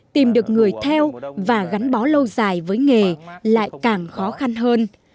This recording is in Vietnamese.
tìm được người theo và gắn bó lâu dài với nghề lại càng khó khăn hơn